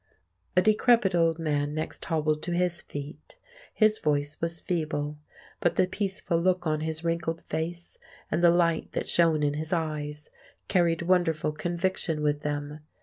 A decrepit old man next hobbled to his feet. His voice was feeble; but the peaceful look on his wrinkled face, and the light that shone in his eyes, carried wonderful conviction with them.